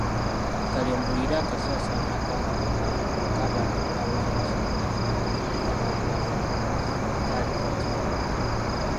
Kale mbuulira akasaasaano akaagwa ewuwo ak’abantu abangi bano abaali balwana; kaali katya?